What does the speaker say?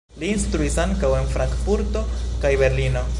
Li instruis ankaŭ en Frankfurto kaj Berlino.